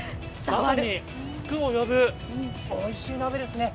更に福を呼ぶおいしい鍋ですね。